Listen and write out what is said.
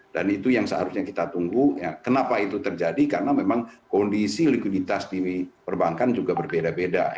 dan itu yang seharusnya kita tunggu kenapa itu terjadi karena memang kondisi likuiditas di perbankan juga berbeda beda